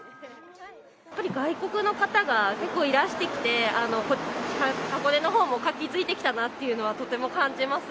やっぱり外国の方が結構いらしてきて、箱根のほうも活気づいてきたなというのはとても感じます。